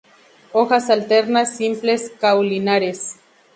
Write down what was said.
Hojas alternas, simples, caulinares.